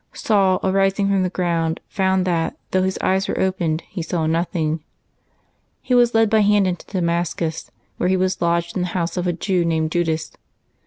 Saul, arising from the ground, found that, though his eyes were open, he saw nothing. He was led by hand into Damascus, where he was lodged in the house of a Jew named Judas.